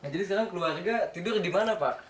jadi sekarang keluarga tidur di mana pak